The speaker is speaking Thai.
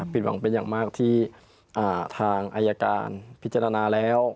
ผิดหวังเป็นอย่างมากที่ทางอายการพิจารณาแล้ว